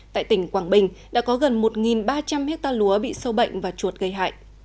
tại tỉnh quảng bình đã có gần một ba trăm linh hectare lúa bị sâu bệnh và chuột gây hại